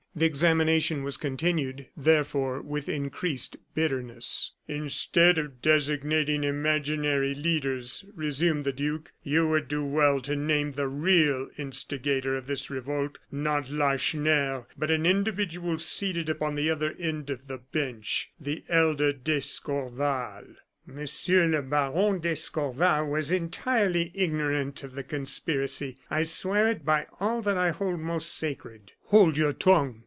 The examination was continued, therefore, with increased bitterness. "Instead of designating imaginary leaders," resumed the duke, "you would do well to name the real instigator of this revolt not Lacheneur, but an individual seated upon the other end of the bench, the elder d'Escorval " "Monsieur le Baron d'Escorval was entirely ignorant of the conspiracy, I swear it by all that I hold most sacred " "Hold your tongue!"